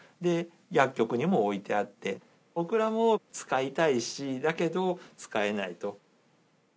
薬局にも置いてあって、僕らも使いたいし、だけど使えないと。